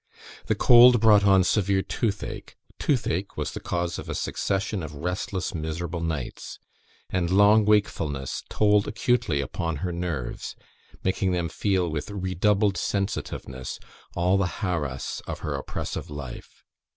The cold brought on severe toothache; toothache was the cause of a succession of restless miserable nights; and long wakefulness told acutely upon her nerves, making them feel with redoubled sensitiveness all the harass of her oppressive life.